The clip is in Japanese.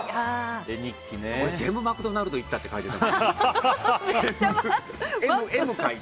俺、全部マクドナルド行ったって書いてた。